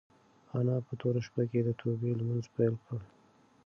انا په توره شپه کې د توبې لمونځ پیل کړ.